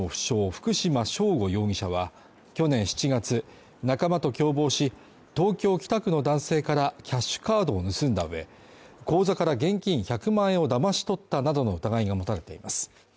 福島聖悟容疑者は去年７月、仲間と共謀し、東京・北区の男性からキャッシュカードを盗んだうえ、口座から現金１００万円をだまし取ったなどの疑いが持たれています。